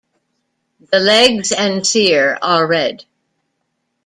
The legs and cere are red.